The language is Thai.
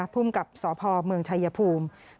พุ่มกับสภเมืองชายภูมิ